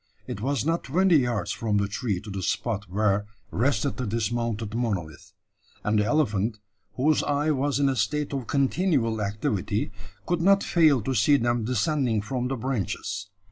It was not twenty yards from the tree to the spot where rested the dismounted monolith; and the elephant, whose eye was in a state of continual activity, could not fail to see them descending from the branches.